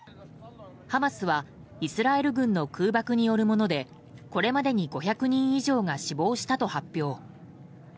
ハマスはイスラエル軍の空爆によるものでこれまでに５００人以上が死亡したと発表。